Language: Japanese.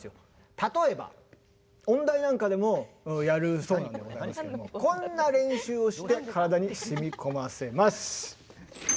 例えば音大なんかでもやるそうなんでございますけどもこんな練習をして体にしみ込ませます。